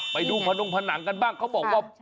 ไปดูพนงผนังกันบ้างเขาบอกว่า